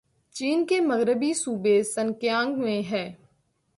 چین کے مغربی صوبے سنکیانگ میں ہے